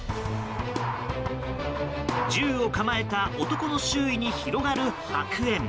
銃を構えた男の周囲に広がる白煙。